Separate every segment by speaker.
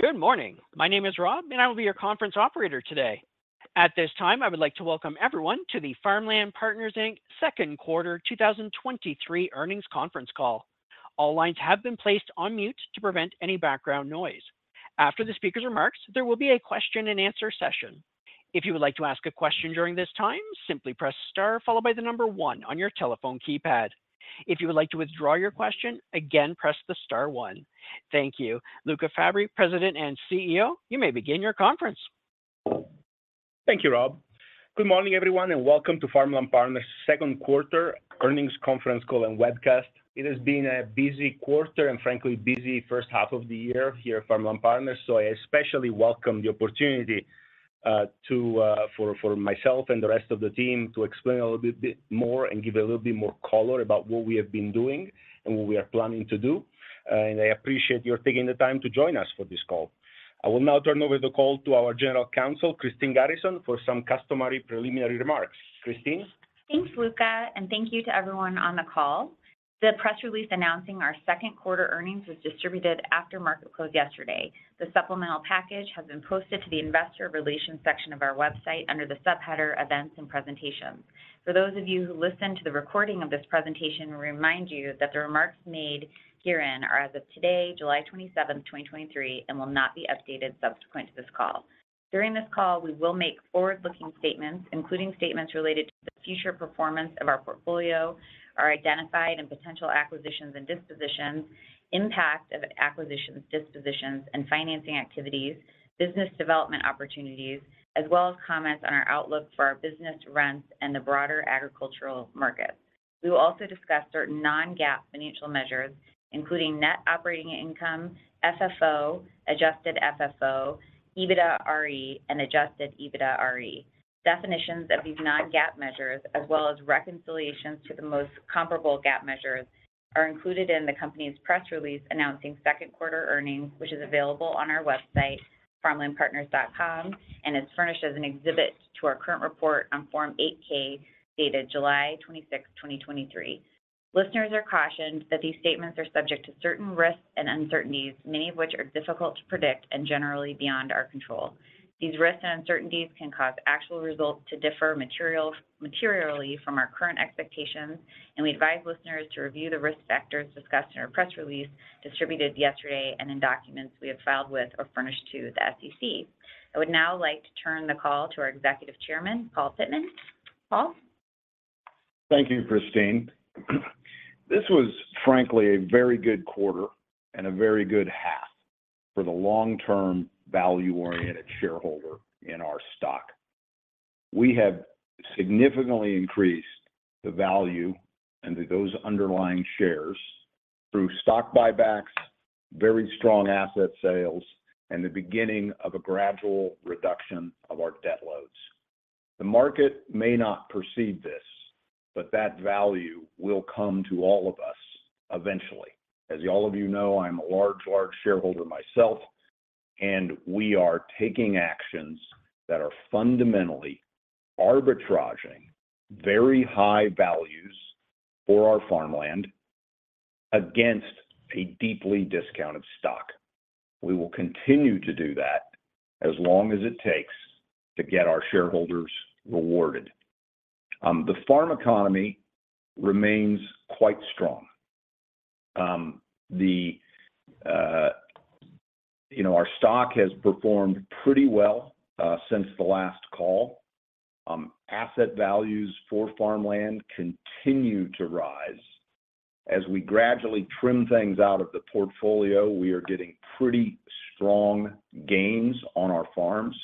Speaker 1: Good morning. My name is Rob, and I will be your conference operator today. At this time, I would like to welcome everyone to the Farmland Partners Inc. Second Quarter 2023 Earnings Conference Call. All lines have been placed on mute to prevent any background noise. After the speaker's remarks, there will be a question-and-answer session. If you would like to ask a question during this time, simply press star followed by the number one on your telephone keypad. If you would like to withdraw your question, again, press the star one. Thank you. Luca Fabbri, President and CEO, you may begin your conference.
Speaker 2: Thank you, Rob. Good morning, everyone, and welcome to Farmland Partners' Second Quarter Earnings Conference Call and Webcast. It has been a busy quarter and frankly, busy first half of the year here at Farmland Partners, so I especially welcome the opportunity for myself and the rest of the team to explain a little bit more and give a little bit more color about what we have been doing and what we are planning to do. I appreciate your taking the time to join us for this call. I will now turn over the call to our General Counsel, Christine Garrison, for some customary preliminary remarks. Christine?
Speaker 3: Thanks, Luca, thank you to everyone on the call. The press release announcing our second quarter earnings was distributed after market close yesterday. The supplemental package has been posted to the Investor Relations section of our website under the subheader Events and Presentations. For those of you who listen to the recording of this presentation, we remind you that the remarks made herein are as of today, July 27, 2023, will not be updated subsequent to this call. During this call, we will make forward-looking statements, including statements related to the future performance of our portfolio, our identified and potential acquisitions and dispositions, impact of acquisitions, dispositions and financing activities, business development opportunities, as well as comments on our outlook for our business rents and the broader agricultural markets. We will also discuss certain non-GAAP financial measures, including net operating income, FFO, adjusted FFO, EBITDAre, and adjusted EBITDAre. Definitions of these non-GAAP measures, as well as reconciliations to the most comparable GAAP measures, are included in the company's press release announcing second quarter earnings, which is available on our website, farmlandpartners.com, and is furnished as an exhibit to our current report on Form 8-K, dated July 26, 2023. Listeners are cautioned that these statements are subject to certain risks and uncertainties, many of which are difficult to predict and generally beyond our control. These risks and uncertainties can cause actual results to differ materially from our current expectations. We advise listeners to review the risk factors discussed in our press release distributed yesterday and in documents we have filed with or furnished to the SEC. I would now like to turn the call to our Executive Chairman, Paul Pittman. Paul?
Speaker 4: Thank you, Christine. This was frankly a very good quarter and a very good half for the long-term, value-oriented shareholder in our stock. We have significantly increased the value into those underlying shares through stock buybacks, very strong asset sales, and the beginning of a gradual reduction of our debt loads. That value will come to all of us eventually. As you all of you know, I'm a large shareholder myself. We are taking actions that are fundamentally arbitraging very high values for our farmland against a deeply discounted stock. We will continue to do that as long as it takes to get our shareholders rewarded. The farm economy remains quite strong. You know, our stock has performed pretty well since the last call. Asset values for farmland continue to rise. As we gradually trim things out of the portfolio, we are getting pretty strong gains on our farms.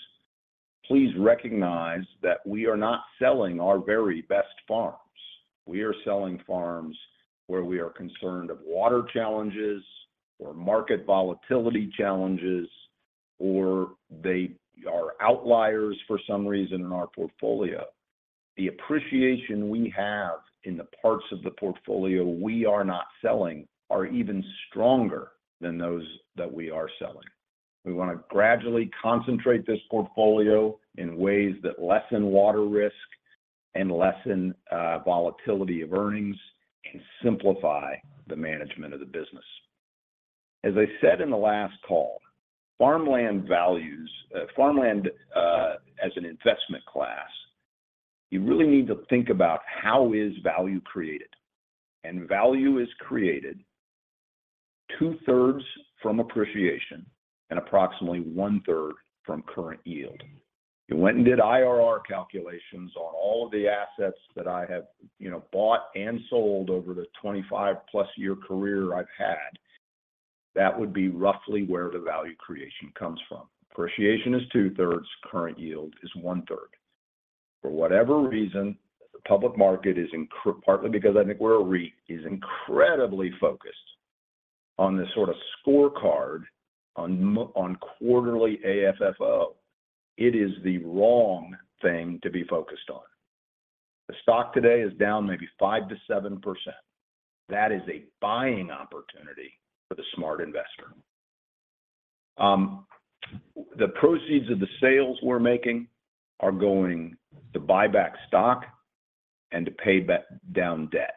Speaker 4: Please recognize that we are not selling our very best farms. We are selling farms where we are concerned of water challenges or market volatility challenges, or they are outliers for some reason in our portfolio. The appreciation we have in the parts of the portfolio we are not selling are even stronger than those that we are selling. We want to gradually concentrate this portfolio in ways that lessen water risk and lessen volatility of earnings and simplify the management of the business. As I said in the last call, farmland values, farmland as an investment class, you really need to think about how is value created. Value is created two-thirds from appreciation and approximately one-third from current yield. We went and did IRR calculations on all of the assets that I have, you know, bought and sold over the 25-plus-year career I've had. That would be roughly where the value creation comes from. Appreciation is two-thirds, current yield is one-third. For whatever reason, the public market is partly because I think we're a REIT, is incredibly focused on this sort of scorecard on quarterly AFFO. It is the wrong thing to be focused on. The stock today is down maybe 5%-7%. That is a buying opportunity for the smart investor. The proceeds of the sales we're making are going to buy back stock and to pay back down debt.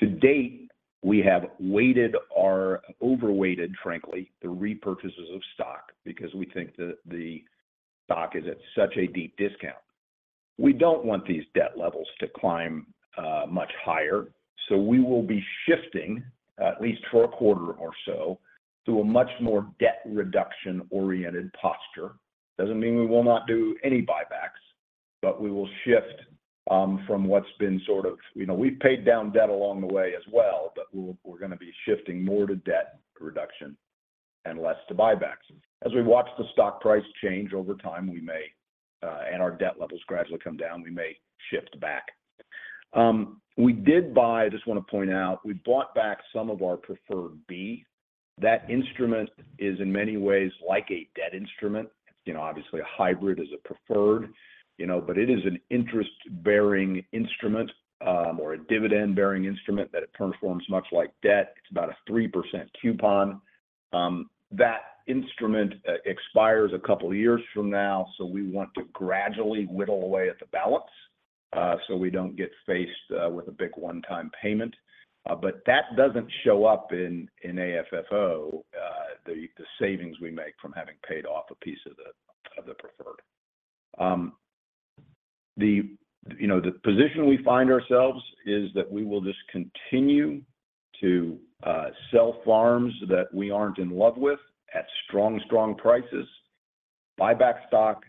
Speaker 4: To date, we have weighted or overweighted, frankly, the repurchases of stock because we think that the stock is at such a deep discount. We don't want these debt levels to climb much higher, we will be shifting, at least for a quarter or so, to a much more debt reduction-oriented posture. Doesn't mean we will not do any buybacks, we will shift from what's been You know, we've paid down debt along the way as well, we're gonna be shifting more to debt reduction and less to buybacks. As we watch the stock price change over time, we may, and our debt levels gradually come down, we may shift back. We did buy, I just want to point out, we bought back some of our Preferred B. That instrument is in many ways like a debt instrument. You know, obviously, a hybrid is a Preferred, you know, but it is an interest-bearing instrument, or a dividend-bearing instrument that it performs much like debt. It's about a 3% coupon. That instrument expires a couple of years from now, so we want to gradually whittle away at the balance, so we don't get faced with a big one-time payment. That doesn't show up in AFFO, the savings we make from having paid off a piece of the Preferred. The, you know, the position we find ourselves is that we will just continue to sell farms that we aren't in love with at strong, strong prices, buy back stock,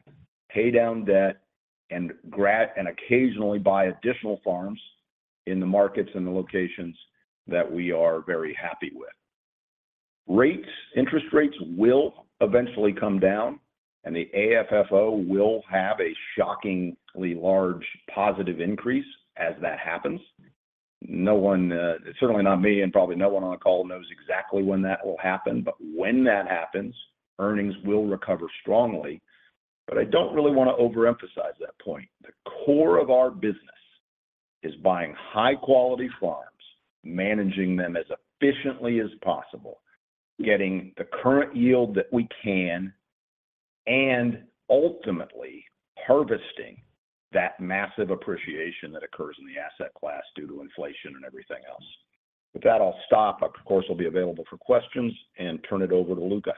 Speaker 4: pay down debt, and occasionally buy additional farms in the markets and the locations that we are very happy with. Rates, interest rates will eventually come down, the AFFO will have a shockingly large positive increase as that happens. No one, certainly not me, and probably no one on the call knows exactly when that will happen, but when that happens, earnings will recover strongly. I don't really want to overemphasize that point. The core of our business is buying high-quality farms, managing them as efficiently as possible, getting the current yield that we can, and ultimately harvesting that massive appreciation that occurs in the asset class due to inflation and everything else. With that, I'll stop. Of course, I'll be available for questions and turn it over to Luca.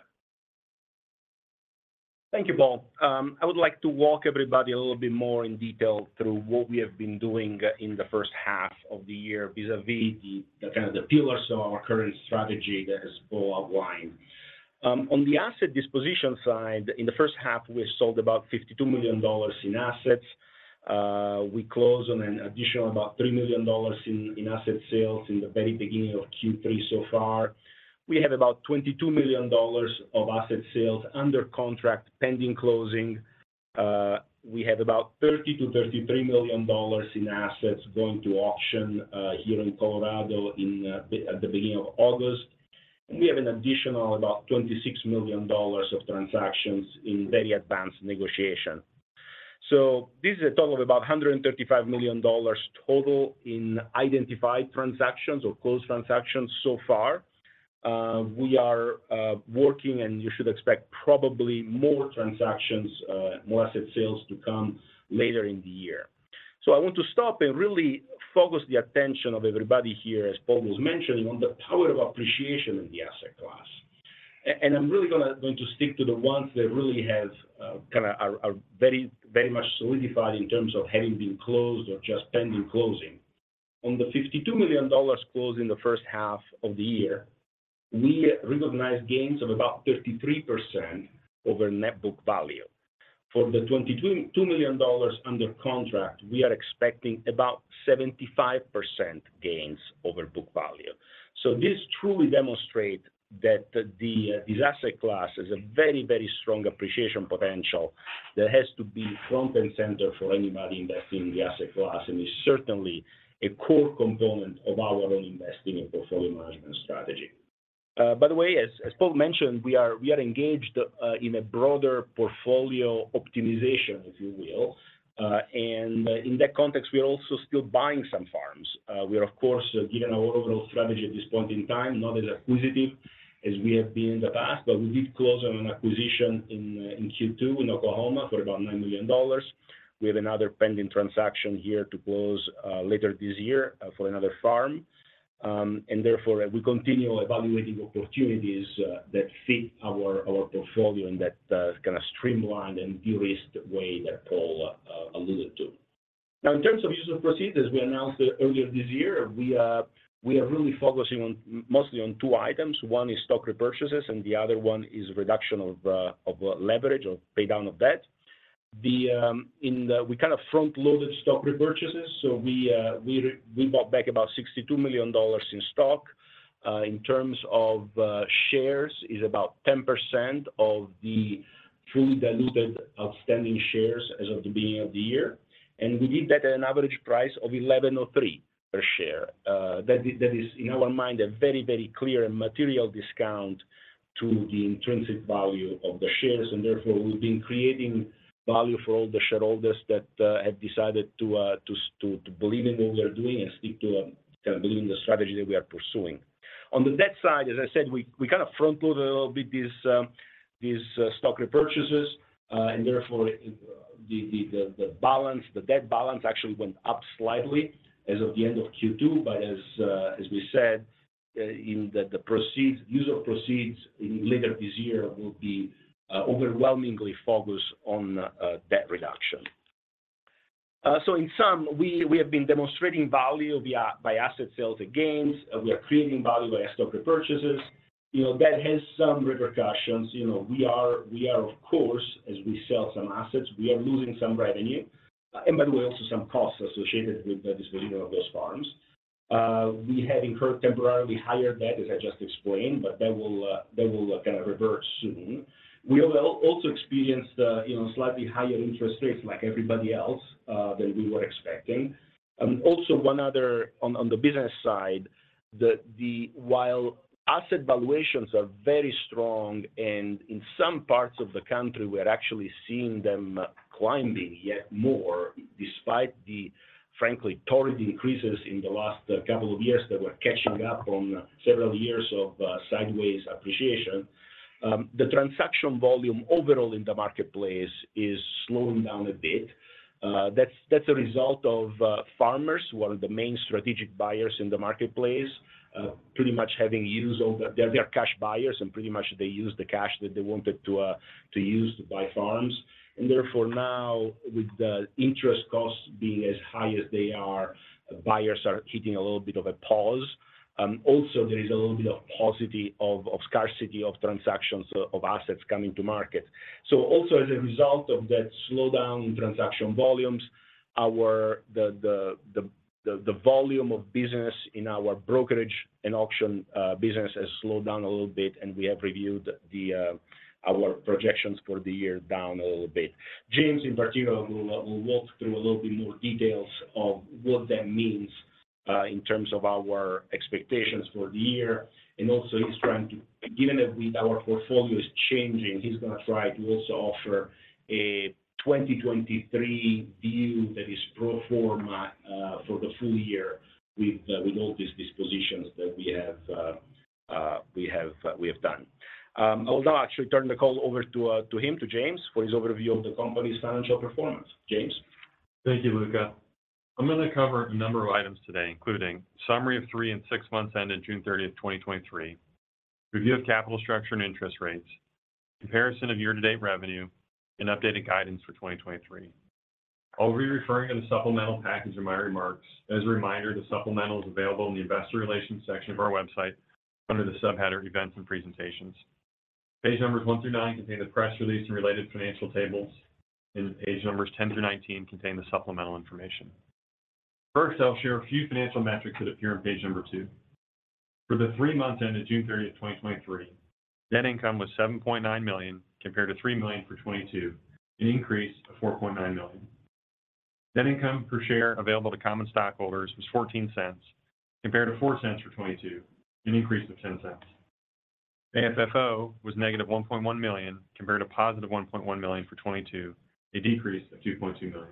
Speaker 2: Thank you, Paul. I would like to walk everybody a little bit more in detail through what we have been doing in the first half of the year, vis-a-vis the kind of the pillars of our current strategy that has Paul outlined. On the asset disposition side, in the first half, we sold about $52 million in assets. We closed on an additional about $3 million in asset sales in the very beginning of Q3 so far. We have about $22 million of asset sales under contract, pending closing. We have about $30 million-$33 million in assets going to auction here in Colorado at the beginning of August. We have an additional about $26 million of transactions in very advanced negotiation. This is a total of about $135 million total in identified transactions or closed transactions so far. We are working, you should expect probably more transactions, more asset sales to come later in the year. I want to stop and really focus the attention of everybody here, as Paul was mentioning, on the power of appreciation in the asset class. I'm really going to stick to the ones that really have, kind of are, are very, very much solidified in terms of having been closed or just pending closing. On the $52 million closed in the first half of the year, we recognized gains of about 33% over net book value. For the $22 million under contract, we are expecting about 75% gains over book value. This truly demonstrate that the, this asset class has a very, very strong appreciation potential that has to be front and center for anybody investing in the asset class, and is certainly a core component of our own investing and portfolio management strategy. By the way, as Paul mentioned, we are engaged in a broader portfolio optimization, if you will. In that context, we are also still buying some farms. We are, of course, given our overall strategy at this point in time, not as acquisitive as we have been in the past, but we did close on an acquisition in Q2 in Oklahoma for about $9 million. We have another pending transaction here to close later this year for another farm. Therefore, we continue evaluating opportunities that fit our portfolio and that kind of streamlined and de-risked way that Paul alluded to. Now, in terms of use of proceeds, as we announced earlier this year, we are really focusing on, mostly on two items. One is stock repurchases, and the other one is reduction of leverage or paydown of debt. We kind of front-loaded stock repurchases, so we bought back about $62 million in stock. In terms of shares, is about 10% of the fully diluted outstanding shares as of the beginning of the year, and we did that at an average price of $11.03 per share. That is, in our mind, a very, very clear and material discount to the intrinsic value of the shares, and therefore, we've been creating value for all the shareholders that have decided to believe in what we are doing and stick to kind of believe in the strategy that we are pursuing. On the debt side, as I said, we kind of front-loaded a little bit these stock repurchases, and therefore, the debt balance actually went up slightly as of the end of Q2. As we said, in the proceeds, use of proceeds in later this year will be overwhelmingly focused on debt reduction. In sum, we have been demonstrating value via by asset sales and gains, and we are creating value via stock repurchases. You know, that has some repercussions. You know, we are, of course, as we sell some assets, we are losing some revenue, and by the way, also some costs associated with the disposal of those farms. We have incurred temporarily higher debt, as I just explained, but that will kind of reverse soon. We have also experienced, you know, slightly higher interest rates like everybody else than we were expecting. Also one other on the business side, while asset valuations are very strong and in some parts of the country we are actually seeing them climbing yet more, despite the frankly torrid increases in the last couple of years that were catching up on several years of sideways appreciation. The transaction volume overall in the marketplace is slowing down a bit. That's a result of farmers, who are the main strategic buyers in the marketplace, pretty much having used they are cash buyers and pretty much they used the cash that they wanted to use to buy farms. Therefore, now, with the interest costs being as high as they are, buyers are hitting a little bit of a pause. Also, there is a little bit of paucity of scarcity of transactions of assets coming to market. Also as a result of that slowdown in transaction volumes, our the volume of business in our brokerage and auction business has slowed down a little bit, and we have reviewed our projections for the year down a little bit. James, in particular, will walk through a little bit more details of what that means in terms of our expectations for the year. Also he's trying to. Given that our portfolio is changing, he's gonna try to also offer a 2023 view that is pro forma for the full year with all these dispositions that we have done. Although I should turn the call over to James, for his overview of the company's financial performance. James?
Speaker 5: Thank you, Luca. I'm gonna cover a number of items today, including summary of three and six months ended June 30, 2023; review of capital structure and interest rates; comparison of year-to-date revenue; and updated guidance for 2023. I'll be referring to the supplemental package in my remarks. As a reminder, the supplemental is available in the Investor Relations section of our website under the subheader Events and Presentations. Page numbers one through nine contain the press release and related financial tables, and page numbers 10 through 19 contain the supplemental information. First, I'll share a few financial metrics that appear on page number two. For the three months ended June 30, 2023, net income was $7.9 million, compared to $3 million for 2022, an increase of $4.9 million. Net income per share available to common stockholders was $0.14, compared to $0.04 for 2022, an increase of $0.10. AFFO was ($1.1 million), compared to $1.1 million for 2022, a decrease of $2.2 million.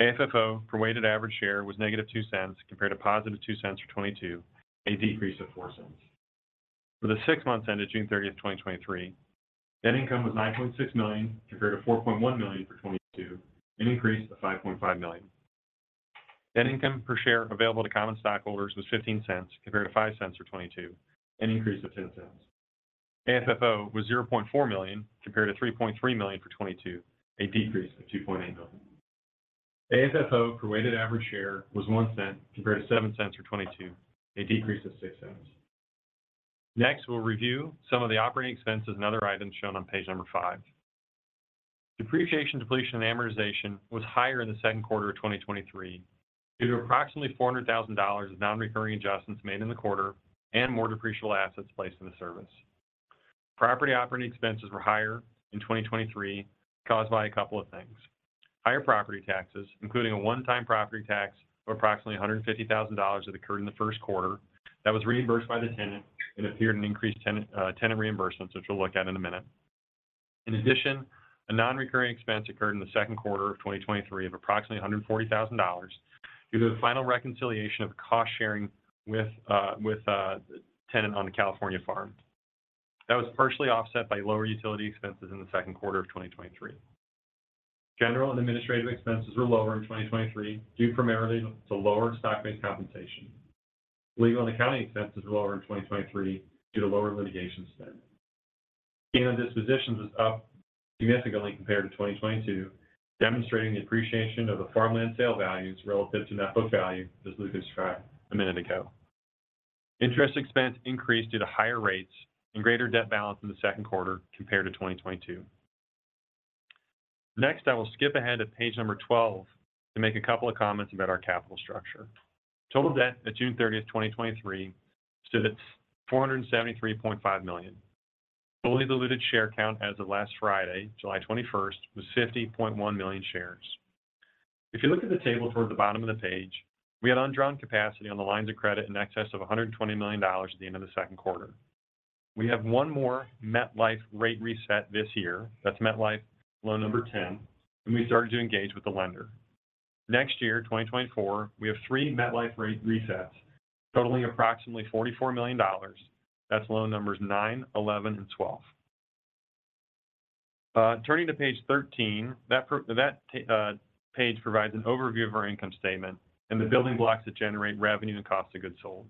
Speaker 5: AFFO per weighted average share was ($0.02), compared to $0.02 for 2022, a decrease of $0.04. For the six months ended June thirtieth, twenty twenty-three, net income was $9.6 million, compared to $4.1 million for 2022, an increase of $5.5 million. Net income per share available to common stockholders was $0.15, compared to $0.05 for 2022, an increase of $0.10. AFFO was $0.4 million, compared to $3.3 million for 2022, a decrease of $2.8 million. AFFO per weighted average share was $0.01, compared to $0.07 for 2022, a decrease of $0.06. We'll review some of the operating expenses and other items shown on page number five. Depreciation, depletion, and amortization was higher in the second quarter of 2023 due to approximately $400,000 of non-recurring adjustments made in the quarter and more depreciable assets placed in the service. Property operating expenses were higher in 2023, caused by a couple of things: higher property taxes, including a one-time property tax of approximately $150,000 that occurred in the first quarter. That was reimbursed by the tenant and appeared in increased tenant reimbursements, which we'll look at in a minute. A non-recurring expense occurred in the second quarter of 2023 of approximately $140,000 due to the final reconciliation of cost-sharing with a tenant on the California farm. That was partially offset by lower utility expenses in the second quarter of 2023. General and administrative expenses were lower in 2023, due primarily to lower stock-based compensation. Legal and accounting expenses were lower in 2023 due to lower litigation spend. Gain on dispositions was up significantly compared to 2022, demonstrating the appreciation of the farmland sale values relative to net book value, as Luca described a minute ago. Interest expense increased due to higher rates and greater debt balance in the second quarter compared to 2022. I will skip ahead to page number 12 to make a couple of comments about our capital structure. Total debt at June 30, 2023, stood at $473.5 million. Fully diluted share count as of last Friday, July 21, was 50.1 million shares. If you look at the table toward the bottom of the page, we had undrawn capacity on the lines of credit in excess of $120 million at the end of the second quarter. We have one more MetLife rate reset this year. That's MetLife loan number 10, we started to engage with the lender. Next year, 2024, we have 3 MetLife rate resets totaling approximately $44 million. That's loan numbers nine, 11, and 12. Turning to page 13, that page provides an overview of our income statement and the building blocks that generate revenue and cost of goods sold.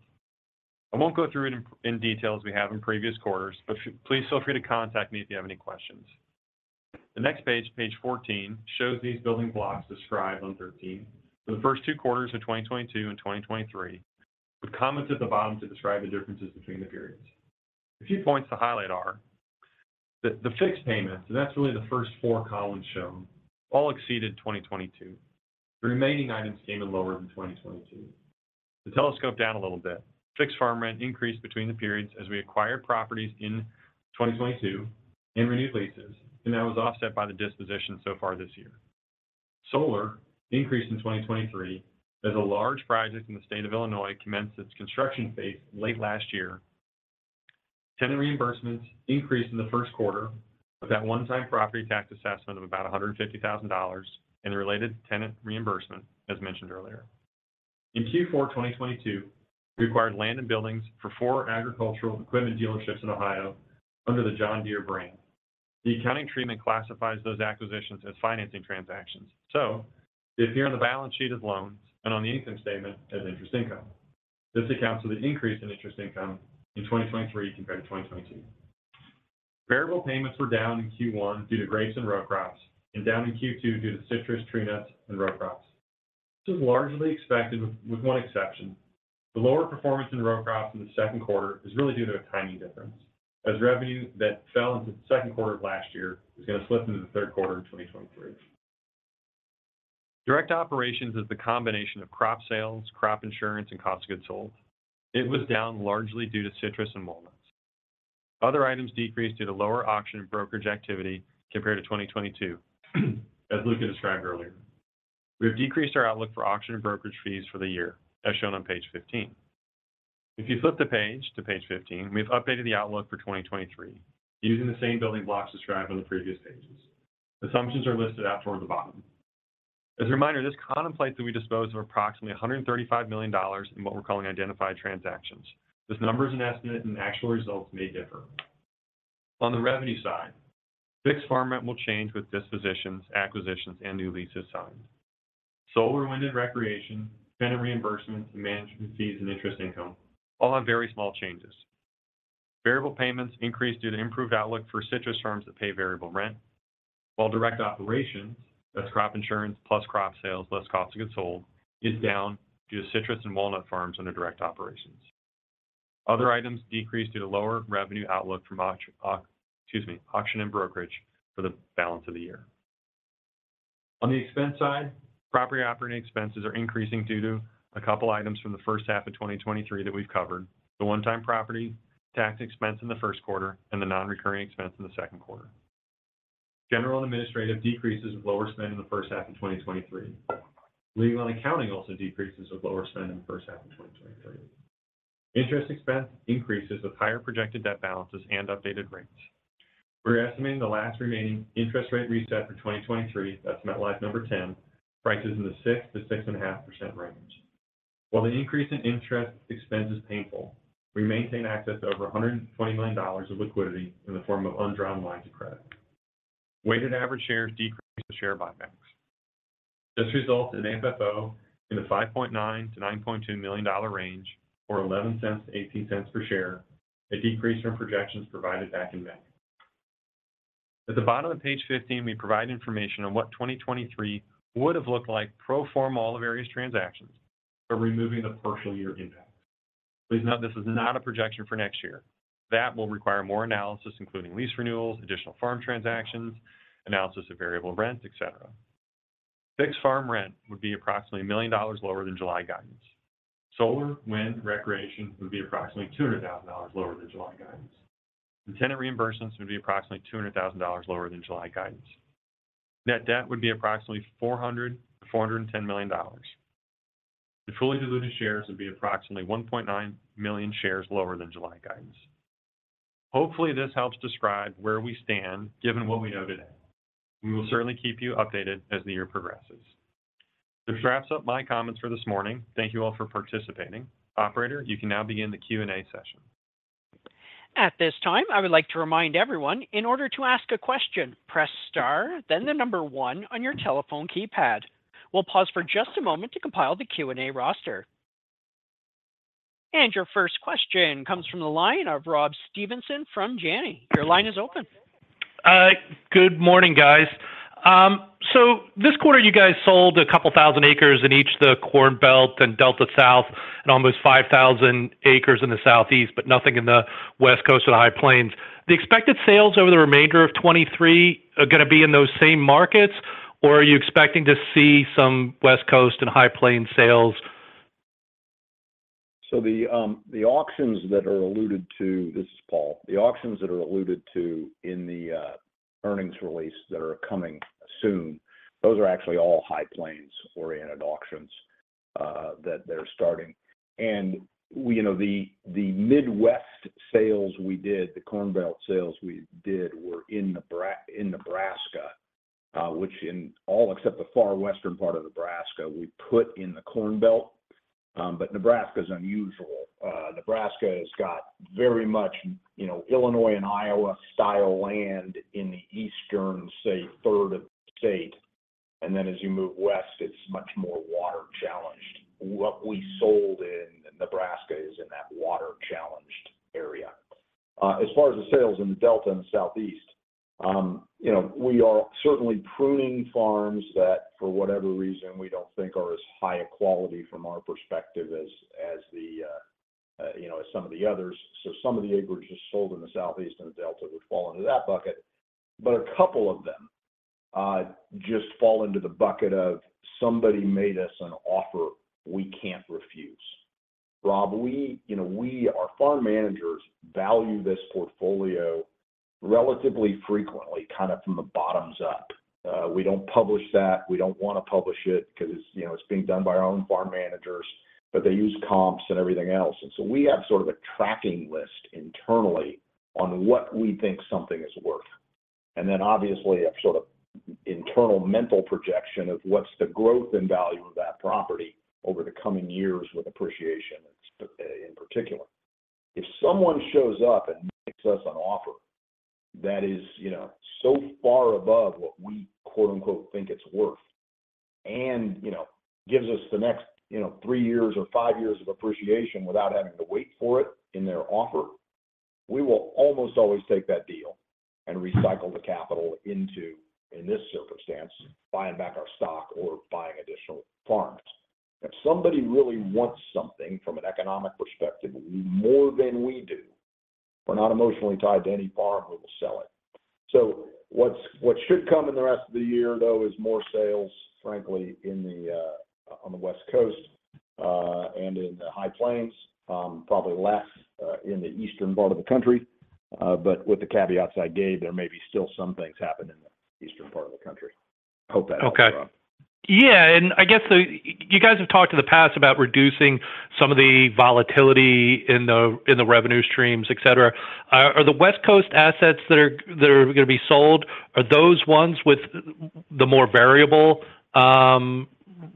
Speaker 5: I won't go through it in detail as we have in previous quarters, but please feel free to contact me if you have any questions. The next page, page 14, shows these building blocks described on 13 for the first two quarters of 2022 and 2023, with comments at the bottom to describe the differences between the periods. A few points to highlight are that the fixed payments, and that's really the first four columns shown, all exceeded 2022. The remaining items came in lower than 2022. To telescope down a little bit, fixed farm rent increased between the periods as we acquired properties in 2022 and renewed leases, and that was offset by the disposition so far this year. Solar increased in 2023, as a large project in the state of Illinois commenced its construction phase late last year. Tenant reimbursements increased in the first quarter of that one-time property tax assessment of about $150,000 and the related tenant reimbursement, as mentioned earlier. In Q4 2022, we acquired land and buildings for four agricultural equipment dealerships in Ohio under the John Deere brand. The accounting treatment classifies those acquisitions as financing transactions, so they appear on the balance sheet as loans and on the income statement as interest income. This accounts for the increase in interest income in 2023 compared to 2022. Variable payments were down in Q1 due to grapes and row crops, and down in Q2 due to citrus, tree nuts, and row crops. This is largely expected, with one exception. The lower performance in row crops in the second quarter is really due to a timing difference, as revenue that fell into the second quarter of last year is going to slip into the third quarter of 2023. Direct operations is the combination of crop sales, crop insurance, and cost of goods sold. It was down largely due to citrus and walnuts. Other items decreased due to lower auction and brokerage activity compared to 2022, as Luke had described earlier. We have decreased our outlook for auction and brokerage fees for the year, as shown on page 15. If you flip the page to page 15, we've updated the outlook for 2023 using the same building blocks described on the previous pages. Assumptions are listed out towards the bottom. As a reminder, this contemplates that we dispose of approximately $135 million in what we're calling identified transactions. This number is an estimate, and actual results may differ. On the revenue side, fixed farm rent will change with dispositions, acquisitions, and new leases signed. Solar, wind, and recreation, tenant reimbursements, and management fees, and interest income all have very small changes. Variable payments increased due to improved outlook for citrus farms that pay variable rent, while direct operations, that's crop insurance plus crop sales, less cost of goods sold, is down due to citrus and walnut farms under direct operations. Other items decreased due to lower revenue outlook from excuse me, auction and brokerage for the balance of the year. On the expense side, Property operating expenses are increasing due to a couple items from the first half of 2023 that we've covered: the one-time property tax expense in the first quarter and the non-recurring expense in the second quarter. General and administrative decreases with lower spend in the first half of 2023. Legal and accounting also decreases with lower spend in the first half of 2023. Interest expense increases with higher projected debt balances and updated rates. We're estimating the last remaining interest rate reset for 2023, that's MetLife number 10, prices in the 6%-6.5% range. While the increase in interest expense is painful, we maintain access to over $120 million of liquidity in the form of undrawn lines of credit. Weighted average shares decreased the share buybacks. This results in AFFO in the $5.9 million-$9.2 million range, or $0.11-$0.18 per share, a decrease from projections provided back in May. At the bottom of page 15, we provide information on what 2023 would have looked like pro forma all the various transactions, but removing the partial year impact. Please note this is not a projection for next year. That will require more analysis, including lease renewals, additional farm transactions, analysis of variable rent, et cetera. Fixed farm rent would be approximately $1 million lower than July guidance. Solar, wind, recreation would be approximately $200,000 lower than July guidance. The tenant reimbursements would be approximately $200,000 lower than July guidance. Net debt would be approximately $400 million-$410 million. The fully diluted shares would be approximately 1.9 million shares lower than July guidance. Hopefully, this helps describe where we stand given what we know today. We will certainly keep you updated as the year progresses. This wraps up my comments for this morning. Thank you all for participating. Operator, you can now begin the Q&A session.
Speaker 1: At this time, I would like to remind everyone, in order to ask a question, press Star, then the number one on your telephone keypad. We'll pause for just a moment to compile the Q&A roster. Your first question comes from the line of Rob Stevenson from Janney. Your line is open.
Speaker 6: Good morning, guys. This quarter, you guys sold a couple thousand acres in each the Corn Belt and Delta South, and almost 5,000 acres in the Southeast, but nothing in the West Coast or the High Plains. The expected sales over the remainder of 2023 are going to be in those same markets, or are you expecting to see some West Coast and High Plains sales?
Speaker 4: The auctions that are alluded to. This is Paul. The auctions that are alluded to in the earnings release that are coming soon, those are actually all High Plains-oriented auctions. that they're starting. We, you know, the Midwest sales we did, the Corn Belt sales we did, were in Nebraska, which in all except the far western part of Nebraska, we put in the Corn Belt. Nebraska's unusual. Nebraska has got very much, you know, Illinois and Iowa-style land in the eastern, say, third of the state, and then as you move west, it's much more water-challenged. What we sold in Nebraska is in that water-challenged area. As far as the sales in the Delta and the Southeast, you know, we are certainly pruning farms that, for whatever reason, we don't think are as high a quality from our perspective as, as the, you know, as some of the others. Some of the acreage just sold in the Southeast and the Delta would fall into that bucket. A couple of them just fall into the bucket of, "Somebody made us an offer we can't refuse." Rob, you know, our farm managers value this portfolio relatively frequently, kind of from the bottoms up. We don't publish that, we don't wanna publish it 'cause, you know, it's being done by our own farm managers, but they use comps and everything else. We have sort of a tracking list internally on what we think something is worth, and then obviously, a sort of internal mental projection of what's the growth and value of that property over the coming years with appreciation, in particular. If someone shows up and makes us an offer that is, you know, so far above what we, quote-unquote, "think it's worth," and, you know, gives us the next, you know, three years or five years of appreciation without having to wait for it in their offer, we will almost always take that deal and recycle the capital into, in this circumstance, buying back our stock or buying additional farms. If somebody really wants something from an economic perspective, more than we do, we're not emotionally tied to any farm, we will sell it. What should come in the rest of the year, though, is more sales, frankly, in the on the West Coast and in the High Plains. Probably less in the eastern part of the country, but with the caveats I gave, there may be still some things happening in the eastern part of the country. Hope that helps, Rob.
Speaker 6: Okay. Yeah, I guess the you guys have talked in the past about reducing some of the volatility in the, in the revenue streams, et cetera. Are the West Coast assets that are gonna be sold, are those ones with the more variable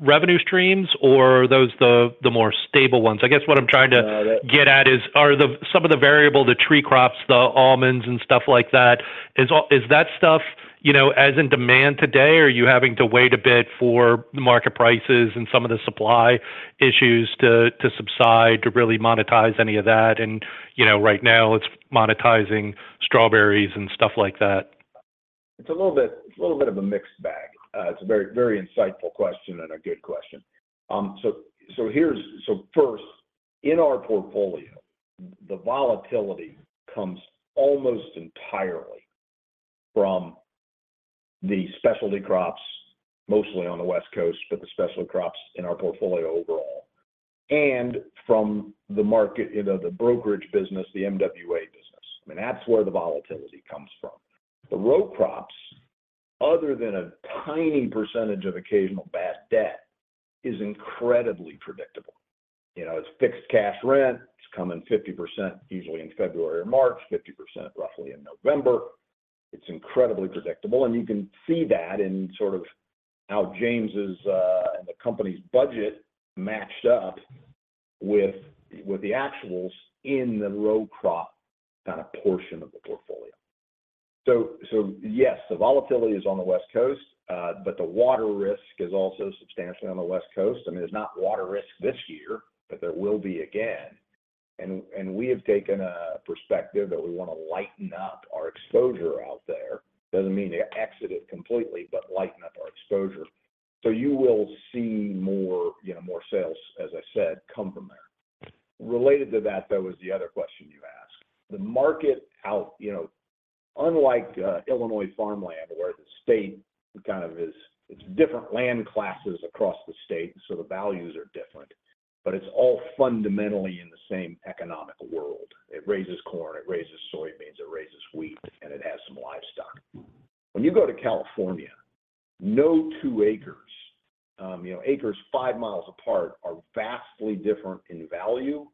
Speaker 6: revenue streams, or are those the, the more stable ones? I guess what I'm trying to...
Speaker 4: No.
Speaker 6: get at is, are some of the variable, the tree crops, the almonds and stuff like that, is that stuff, you know, as in demand today, or are you having to wait a bit for the market prices and some of the supply issues to subside to really monetize any of that? you know, right now it's monetizing strawberries and stuff like that.
Speaker 7: It's a little bit of a mixed bag. It's a very, very insightful question and a good question. First, in our portfolio, the volatility comes almost entirely from the specialty crops, mostly on the West Coast, but the specialty crops in our portfolio overall, and from the market, you know, the brokerage business, the MWA business. I mean, that's where the volatility comes from. The row crops, other than a tiny percentage of occasional bad debt, is incredibly predictable. You know, it's fixed cash rent, it's coming 50% usually in February or March, 50% roughly in November. It's incredibly predictable, and you can see that in sort of how James's and the company's budget matched up with, with the actuals in the row crop kind of portion of the portfolio.
Speaker 4: Yes, the volatility is on the West Coast, but the water risk is also substantially on the West Coast. I mean, there's not water risk this year, but there will be again, and we have taken a perspective that we wanna lighten up our exposure out there. Doesn't mean to exit it completely, but lighten up our exposure. You will see more, you know, more sales, as I said, come from there. Related to that, though, is the other question you asked. The market out, you know, unlike Illinois farmland, where the state kind of it's different land classes across the state, so the values are different, but it's all fundamentally in the same economic world. It raises corn, it raises soybeans, it raises wheat, and it has some livestock. When you go to California, no two acres, you know, acres five miles apart are vastly different in value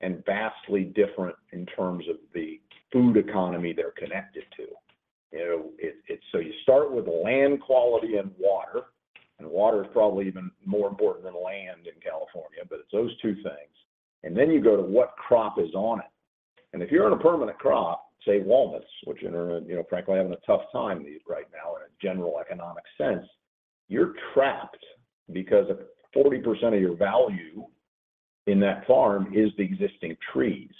Speaker 4: and vastly different in terms of the food economy they're connected to. You know, you start with land quality and water, and water is probably even more important than land in California, but it's those two things. Then you go to what crop is on it. If you're in a permanent crop, say, walnuts, which are in a, you know, frankly, having a tough time these right now in a general economic sense, you're trapped because 40% of your value in that farm is the existing trees.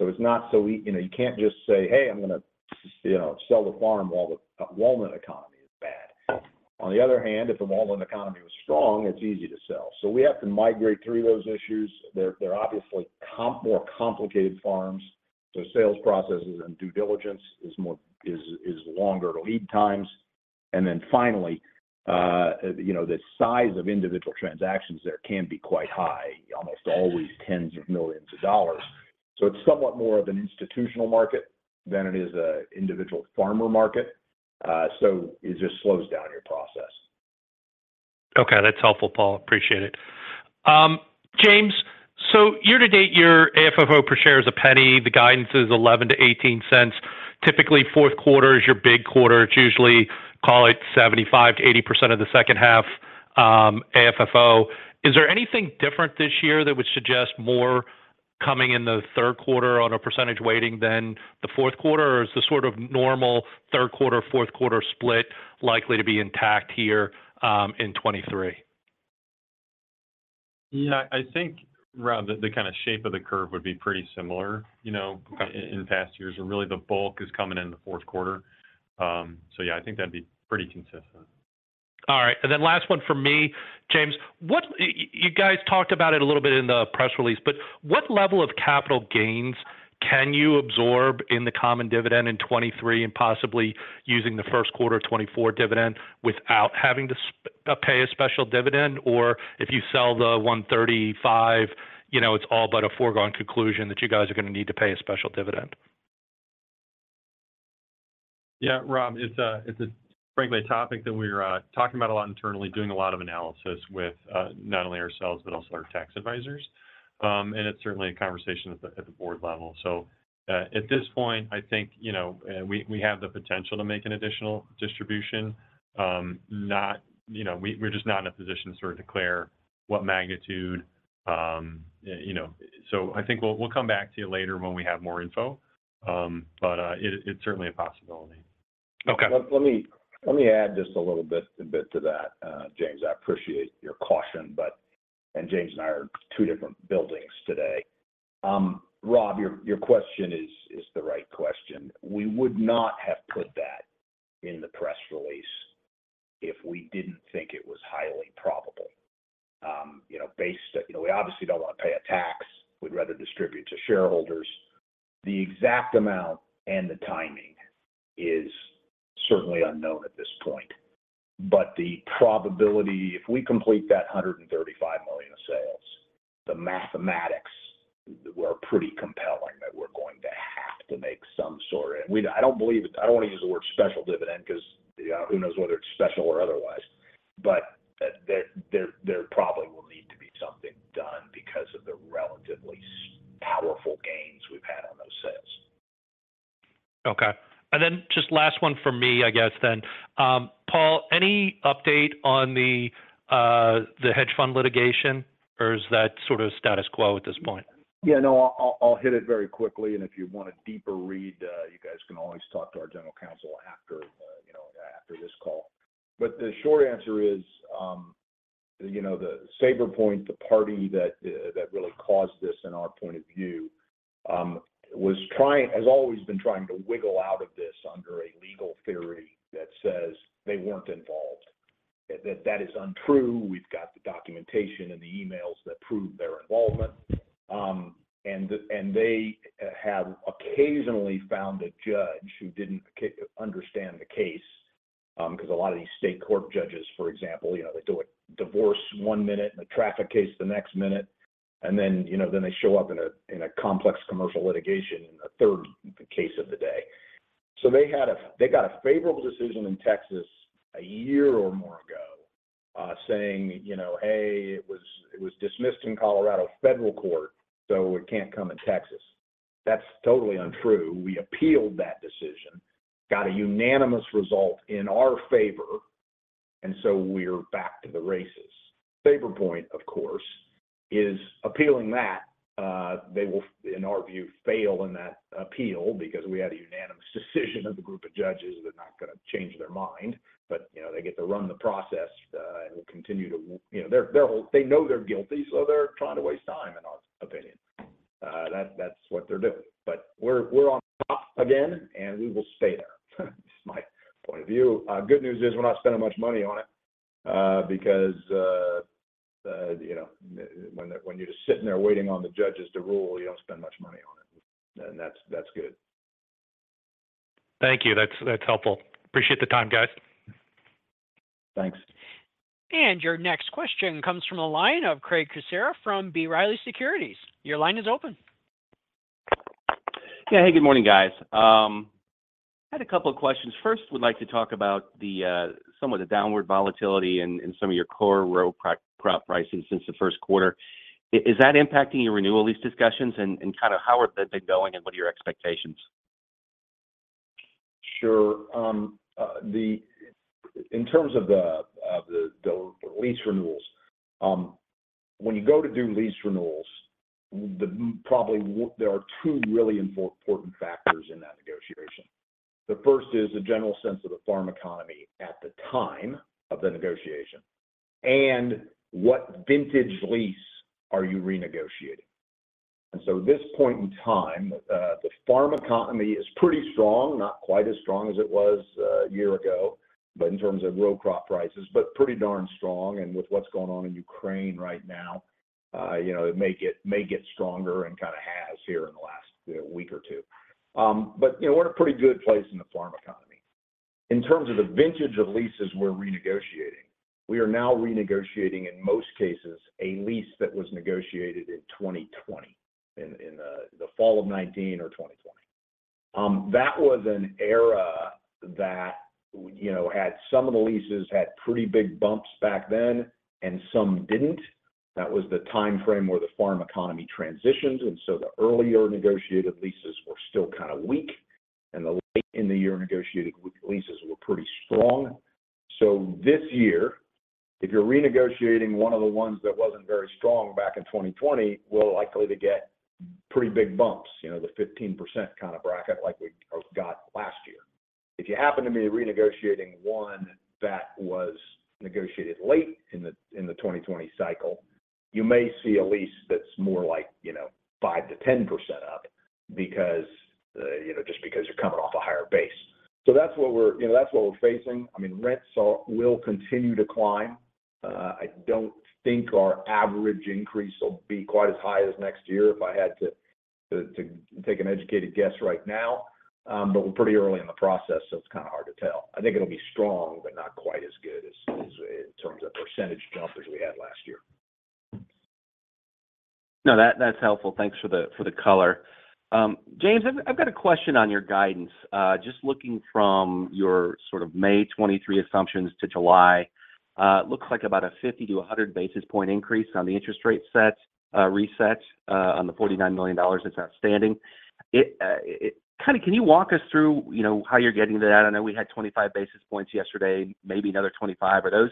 Speaker 4: It's not so easy, you know, you can't just say, "Hey, I'm gonna, you know, sell the farm while the walnut economy is bad." On the other hand, if the walnut economy was strong, it's easy to sell. We have to migrate through those issues. They're obviously more complicated farms, so sales processes and due diligence is longer lead times. Then finally, you know, the size of individual transactions there can be quite high, almost always tens of millions of dollars. It's somewhat more of an institutional market than it is an individual farmer market. It just slows down your process.
Speaker 6: Okay, that's helpful, Paul. Appreciate it. James, year-to-date, your AFFO per share is $0.01. The guidance is $0.11-$0.18. Typically, fourth quarter is your big quarter. It's usually, call it 75%-80% of the second half, AFFO. Is there anything different this year that would suggest more coming in the third quarter on a percentage weighting than the fourth quarter? Is the sort of normal third quarter, fourth quarter split likely to be intact here, in 2023?
Speaker 5: Yeah, I think, Rob, the kind of shape of the curve would be pretty similar, you know.
Speaker 6: Okay...
Speaker 5: in the past years, where really the bulk is coming in the fourth quarter. Yeah, I think that'd be pretty consistent.
Speaker 6: All right. Last one from me, James. What you guys talked about it a little bit in the press release, what level of capital gains can you absorb in the common dividend in 2023, and possibly using the first quarter of 2024 dividend, without having to pay a special dividend? If you sell the $135 million, you know, it's all but a foregone conclusion that you guys are gonna need to pay a special dividend.
Speaker 5: Yeah, Rob, it's frankly a topic that we're talking about a lot internally, doing a lot of analysis with not only ourselves, but also our tax advisors. It's certainly a conversation at the board level. At this point, I think, you know, we have the potential to make an additional distribution. You know, we're just not in a position to sort of declare what magnitude, you know. I think we'll come back to you later when we have more info. It's certainly a possibility.
Speaker 6: Okay.
Speaker 4: Let me add just a little bit, a bit to that, James. I appreciate your caution, and James and I are in two different buildings today. Rob, your question is the right question. We would not have put that in the press release if we didn't think it was highly probable. You know, based, you know, we obviously don't want to pay a tax. We'd rather distribute to shareholders. The exact amount and the timing is certainly unknown at this point, but the probability, if we complete that $135 million of sales, the mathematics were pretty compelling that we're going to have to make some sort of. I don't believe, I don't want to use the word special dividend, because who knows whether it's special or otherwise. There probably will need to be something done because of the relatively powerful gains we've had on those sales.
Speaker 6: Okay. Just last one from me, I guess then, Paul, any update on the hedge fund litigation, or is that sort of status quo at this point?
Speaker 4: Yeah, no, I'll hit it very quickly. If you want a deeper read, you guys can always talk to our General Counsel after, you know, after this call. The short answer is, you know, the Saberpoint, the party that really caused this in our point of view, has always been trying to wiggle out of this under a legal theory that says they weren't involved. That is untrue. We've got the documentation and the emails that prove their involvement. They have occasionally found a judge who didn't understand the case, because a lot of these state court judges, for example, you know, they do a divorce one minute and a traffic case the next minute, then, you know, then they show up in a, in a complex commercial litigation in a third case of the day. They got a favorable decision in Texas a year or more ago, saying, you know, "Hey, it was, it was dismissed in Colorado federal court, so it can't come in Texas." That's totally untrue. We appealed that decision, got a unanimous result in our favor, we're back to the races. Saberpoint, of course, is appealing that. They will, in our view, fail in that appeal because we had a unanimous decision of the group of judges. They're not gonna change their mind, you know, they get to run the process and will continue to, you know. They know they're guilty, so they're trying to waste time, in our opinion. That's what they're doing. We're on top again, and we will stay there. This is my point of view. Good news is we're not spending much money on it, because, you know, when you're just sitting there waiting on the judges to rule, you don't spend much money on it, and that's, that's good.
Speaker 6: Thank you. That's helpful. Appreciate the time, guys.
Speaker 4: Thanks.
Speaker 1: Your next question comes from the line of Craig Kucera from B. Riley Securities. Your line is open.
Speaker 8: Hey, good morning, guys. Had a couple of questions. Would like to talk about the, some of the downward volatility in some of your core row crop prices since the first quarter. Is that impacting your renewal lease discussions, and kind of how are they going, and what are your expectations?
Speaker 4: Sure. In terms of the lease renewals, when you go to do lease renewals, there are two really important factors in that negotiation. The first is the general sense of the farm economy at the time of the negotiation, and what vintage lease are you renegotiating? At this point in time, the farm economy is pretty strong, not quite as strong as it was a year ago, but in terms of row crop prices, but pretty darn strong. With what's going on in Ukraine right now, you know, it may get stronger and kind of has here in the last week or two. But, you know, we're in a pretty good place in the farm economy. In terms of the vintage of leases we're renegotiating-... We are now renegotiating, in most cases, a lease that was negotiated in 2020, in the fall of 2019 or 2020. That was an era that, you know, had some of the leases had pretty big bumps back then, and some didn't. That was the time frame where the farm economy transitioned. The earlier negotiated leases were still kind of weak, and the late in the year negotiated leases were pretty strong. This year, if you're renegotiating one of the ones that wasn't very strong back in 2020, we're likely to get pretty big bumps, you know, the 15% kind of bracket like we got last year. If you happen to be renegotiating one that was negotiated late in the, in the 2020 cycle, you may see a lease that's more like, you know, 5%-10% up because, you know, just because you're coming off a higher base. That's what we're, you know, that's what we're facing. I mean, rents are, will continue to climb. I don't think our average increase will be quite as high as next year if I had to take an educated guess right now. We're pretty early in the process, so it's kind of hard to tell. I think it'll be strong, but not quite as good as in terms of percentage jump as we had last year.
Speaker 8: No, that, that's helpful. Thanks for the, for the color. James, I've got a question on your guidance. Just looking from your sort of May 23 assumptions to July, looks like about a 50 to 100 basis point increase on the interest rate set, reset, on the $49 million that's outstanding. kind of, can you walk us through, you know, how you're getting to that? I know we had 25 basis points yesterday, maybe another 25. Are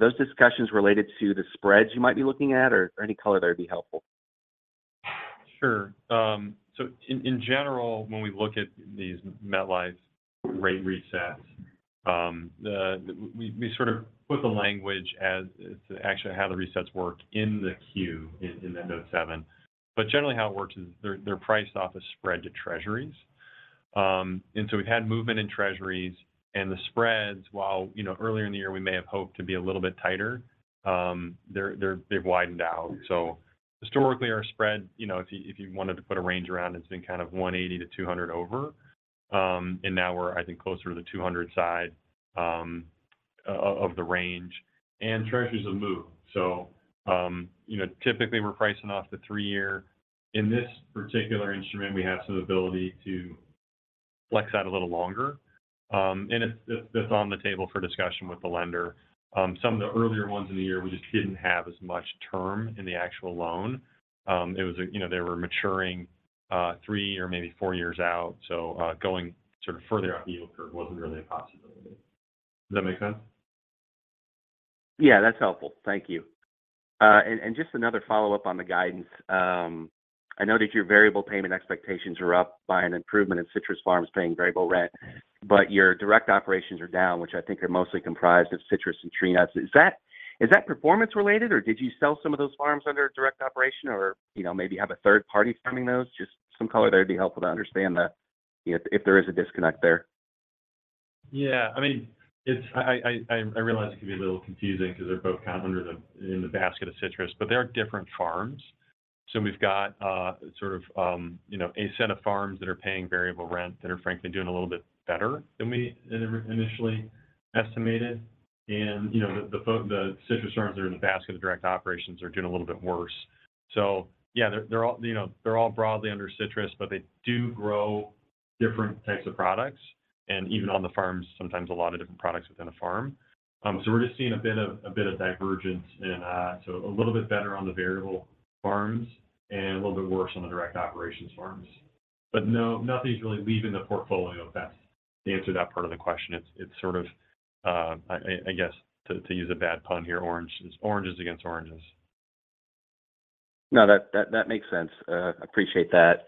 Speaker 8: those discussions related to the spreads you might be looking at or any color there would be helpful?
Speaker 5: Sure. In general, when we look at these MetLife rate resets, the, we, we sort of put the language as to actually how the resets work in the Q, in, in the note seven. Generally how it works is they're priced off a spread to treasuries. We've had movement in treasuries, and the spreads, while, you know, earlier in the year, we may have hoped to be a little bit tighter, they've widened out. Historically, our spread, you know, if you, if you wanted to put a range around, it's been kind of 180-200 over. Now we're, I think, closer to the 200 side of the range, and treasuries have moved. Typically, we're pricing off the 3-year. In this particular instrument, we have some ability to flex out a little longer, and that's on the table for discussion with the lender. Some of the earlier ones in the year, we just didn't have as much term in the actual loan. It was, you know, they were maturing three or maybe four years out, so going sort of further out the yield curve wasn't really a possibility. Does that make sense?
Speaker 8: Yeah, that's helpful. Thank you. Just another follow-up on the guidance. I noticed your variable payment expectations are up by an improvement in citrus farms paying variable rent, but your direct operations are down, which I think are mostly comprised of citrus and tree nuts. Is that performance-related, or did you sell some of those farms under direct operation, or, you know, maybe have a third party farming those? Just some color there would be helpful to understand the, if there is a disconnect there.
Speaker 5: Yeah, I mean, I realize it can be a little confusing because they're both kind of in the basket of citrus, but they're different farms. We've got, sort of, you know, a set of farms that are paying variable rent that are frankly doing a little bit better than we initially estimated. You know, the citrus farms that are in the basket of direct operations are doing a little bit worse. Yeah, they're all, you know, broadly under citrus, but they do grow different types of products, and even on the farms, sometimes a lot of different products within a farm. We're just seeing a bit of divergence and so a little bit better on the variable farms and a little bit worse on the direct operations farms. No, nothing's really leaving the portfolio. That's the answer to that part of the question. It's sort of, I guess, to use a bad pun here, oranges against oranges.
Speaker 8: No, that makes sense. Appreciate that.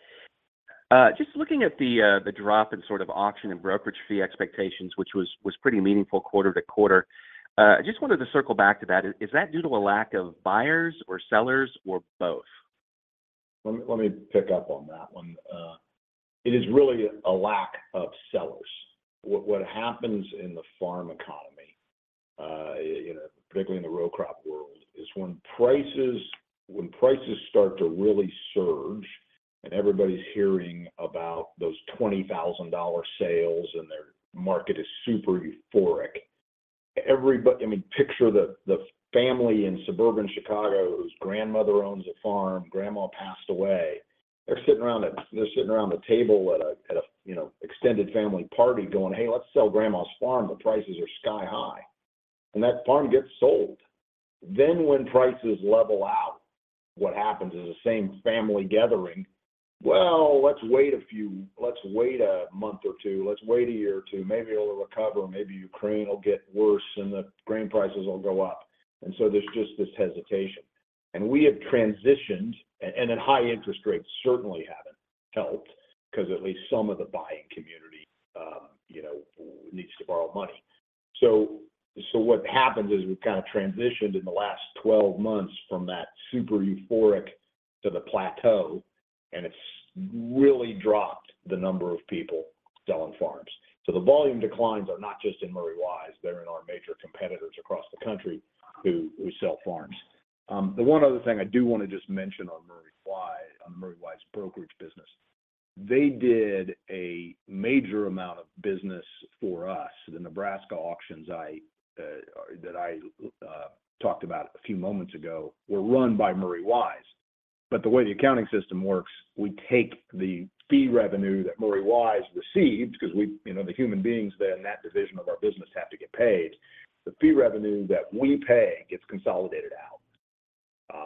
Speaker 8: Just looking at the drop in sort of auction and brokerage fee expectations, which was pretty meaningful quarter to quarter, just wanted to circle back to that. Is that due to a lack of buyers or sellers or both?
Speaker 4: Let me pick up on that one. It is really a lack of sellers. What happens in the farm economy, you know, particularly in the row crop world, is when prices start to really surge and everybody's hearing about those $20,000 sales and their market is super euphoric, everybody. I mean, picture the family in suburban Chicago whose grandmother owns a farm. Grandma passed away. They're sitting around a table at a, you know, extended family party going: "Hey, let's sell Grandma's farm, the prices are sky-high." That farm gets sold. When prices level out, what happens is the same family gathering, "Well, let's wait a month or two. Let's wait a year or two. Maybe it'll recover. Maybe Ukraine will get worse, and the grain prices will go up." There's just this hesitation, and we have transitioned, and high interest rates certainly haven't helped, because at least some of the buying community, you know, needs to borrow money. What happens is we've kind of transitioned in the last 12 months from that super euphoric to the plateau, and it's really dropped the number of people selling farms. The volume declines are not just in Murray Wise, they're in our major competitors across the country who sell farms. The one other thing I do want to just mention on the Murray Wise brokerage business. They did a major amount of business for us. The Nebraska auctions I, or that I talked about a few moments ago were run by Murray Wise. The way the accounting system works, we take the fee revenue that Murray Wise receives, because we, you know, the human beings there in that division of our business have to get paid. The fee revenue that we pay gets consolidated out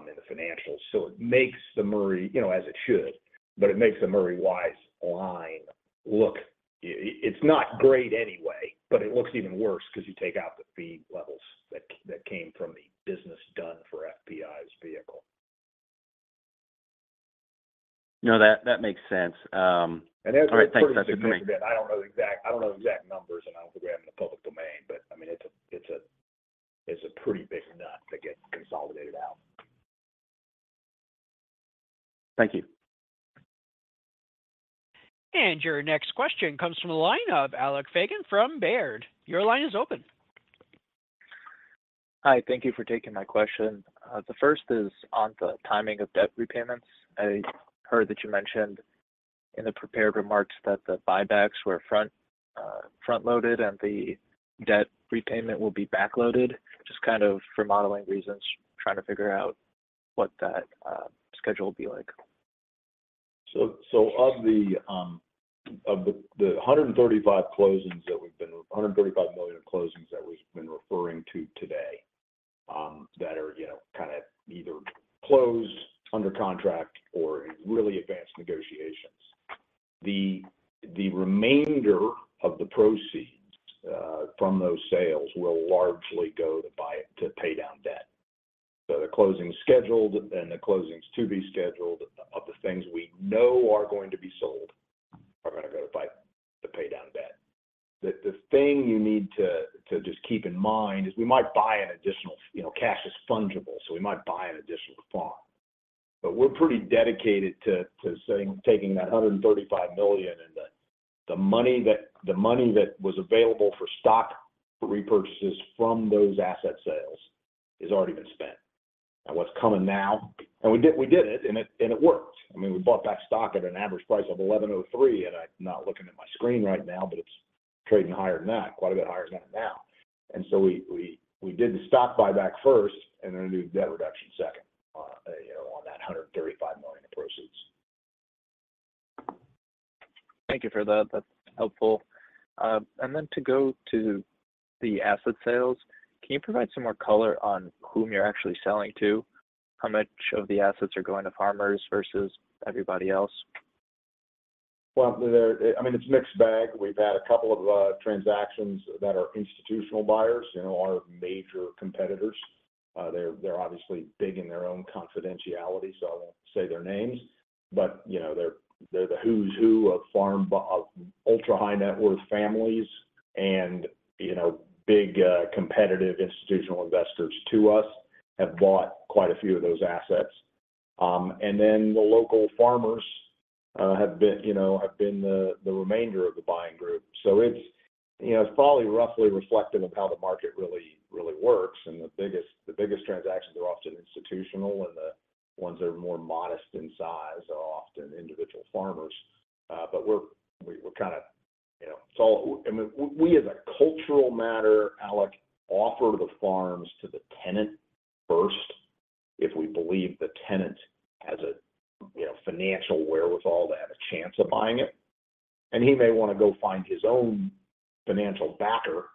Speaker 4: in the financials. It makes the Murray, you know, as it should, but it makes the Murray Wise line look, it's not great anyway, but it looks even worse because you take out the fee levels that came from the business done for FPI's vehicle.
Speaker 8: No, that, that makes sense. All right, thanks. That's it for me.
Speaker 4: I don't know the exact numbers, and I don't think we have in the public domain, but, I mean, it's a pretty big nut to get consolidated out.
Speaker 8: Thank you.
Speaker 1: Your next question comes from the line of Alex Fagan from Baird. Your line is open.
Speaker 9: Hi, thank you for taking my question. The first is on the timing of debt repayments. I heard that you mentioned in the prepared remarks that the buybacks were front-loaded, and the debt repayment will be backloaded, just kind of for modeling reasons, trying to figure out what that schedule will be like.
Speaker 4: Of the $135 million closings that we've been referring to today, that are, you know, kind of either closed under contract or in really advanced negotiations. The remainder of the proceeds from those sales will largely go to pay down debt. The closings scheduled and the closings to be scheduled of the things we know are going to be sold, are gonna go to pay down debt. The thing you need to just keep in mind is we might buy an additional, you know, cash is fungible, so we might buy an additional farm. We're pretty dedicated to saying, taking that $135 million and the money that was available for stock repurchases from those asset sales has already been spent. What's coming now, we did it, and it worked. I mean, we bought back stock at an average price of $11.03, and I'm not looking at my screen right now, but it's trading higher than that, quite a bit higher than that now. We did the stock buyback first, and then we did debt reduction second, you know, on that $135 million in proceeds.
Speaker 9: Thank you for that. That's helpful. To go to the asset sales, can you provide some more color on whom you're actually selling to? How much of the assets are going to farmers versus everybody else?
Speaker 4: Well, they're, I mean, it's a mixed bag. We've had a couple of transactions that are institutional buyers, you know, our major competitors. They're obviously big in their own confidentiality, so I won't say their names, but, you know, they're the who's who of farm ultra-high net worth families and, you know, big competitive institutional investors to us have bought quite a few of those assets. And then the local farmers have been, you know, the remainder of the buying group. It's, you know, probably roughly reflective of how the market really, really works, and the biggest transactions are often institutional, and the ones that are more modest in size are often individual farmers. We're kind of, you know, so, I mean, we as a cultural matter, Alex, offer the farms to the tenant first, if we believe the tenant has a, you know, financial wherewithal to have a chance of buying it. He may wanna go find his own financial backer,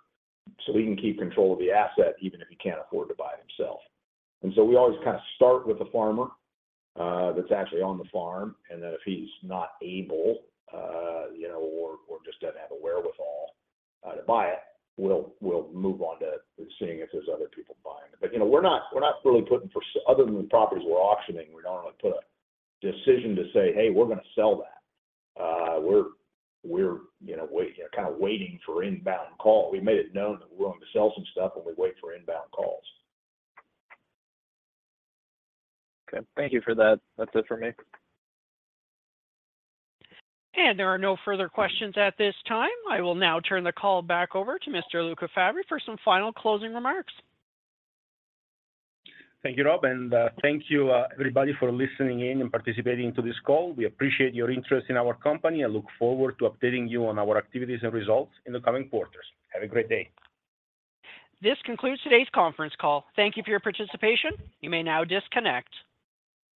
Speaker 4: so he can keep control of the asset, even if he can't afford to buy it himself. We always kind of start with the farmer that's actually on the farm, and then if he's not able, you know, or just doesn't have the wherewithal to buy it, we'll move on to seeing if there's other people buying it. You know, we're not really putting other than the properties we're auctioning, we don't really put a decision to say, "Hey, we're gonna sell that." We're, you know, kind of waiting for inbound call. We made it known that we're going to sell some stuff, and we wait for inbound calls.
Speaker 9: Okay. Thank you for that. That's it for me.
Speaker 1: There are no further questions at this time. I will now turn the call back over to Mr. Luca Fabbri for some final closing remarks.
Speaker 2: Thank you, Rob, and thank you, everybody, for listening in and participating to this call. We appreciate your interest in our company and look forward to updating you on our activities and results in the coming quarters. Have a great day.
Speaker 1: This concludes today's conference call. Thank you for your participation. You may now disconnect.